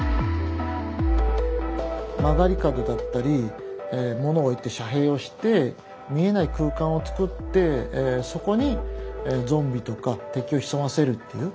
曲がり角だったり物を置いて遮蔽をして見えない空間を作ってそこにゾンビとか敵を潜ませるっていう。